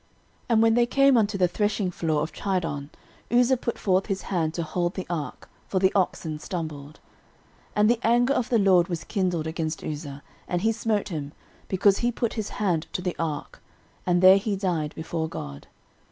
13:013:009 And when they came unto the threshingfloor of Chidon, Uzza put forth his hand to hold the ark; for the oxen stumbled. 13:013:010 And the anger of the LORD was kindled against Uzza, and he smote him, because he put his hand to the ark: and there he died before God.